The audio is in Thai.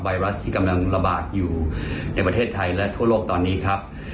ไรัสที่กำลังระบาดอยู่ในประเทศไทยและทั่วโลกตอนนี้ครับ